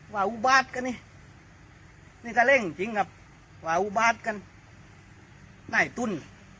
ว่าอุบาทก้านี่นี่ตาเล่งเดี๋ยวกับว่าอุบาทก้าน่าให้ตุ้น